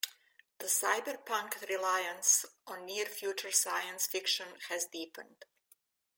The cyberpunk reliance on near-future science fiction has deepened.